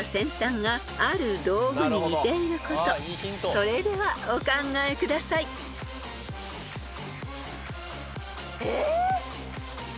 ［それではお考えください］え！？